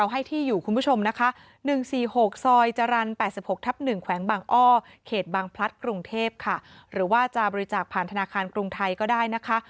หรือว่าจะบริจาคผ่านธนาคารกรุงไทยก็ได้นะคะ